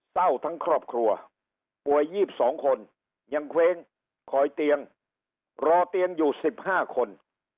เศร้าทั้งครอบครัวป่วย๒๒คนยังเคว้งคอยเตียงรอเตียงอยู่๑๕คน